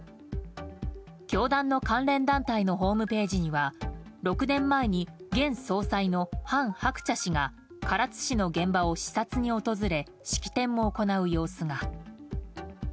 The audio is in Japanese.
教団の関連団体のホームページには６年前に、現総裁の韓鶴子氏が唐津市の現場を視察に訪れ式典も行う様子が。